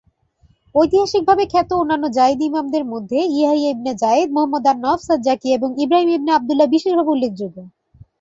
ঐতিহাসিকভাবে খ্যাত অন্যান্য জায়েদি ইমামদের মধ্যে ইয়াহিয়া ইবনে জায়েদ, মুহম্মদ আন-নফস আজ-জাকিয়া এবং ইব্রাহীম ইবনে আব্দুল্লাহ বিশেষভাবে উল্লেখযোগ্য।